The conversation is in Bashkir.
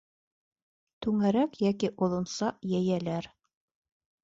Түңәрәк йәки оҙонса йәйәләр